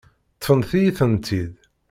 Ṭṭfent-iyi-tent-id.